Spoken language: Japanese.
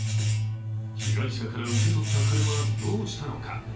被害者から受け取った金はどうしたのか。